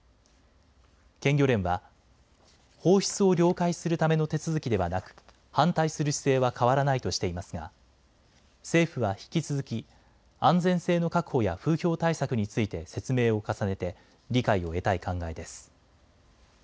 県漁連は放出を了解するための手続きではなく反対する姿勢は変わらないとしていますが政府は引き続き安全性の確保や風評対策について説明を重ねて理解を得たい考えです。